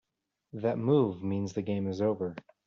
That move means the game is over.